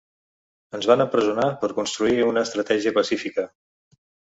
Ens van empresonar per construir una estratègia pacífica.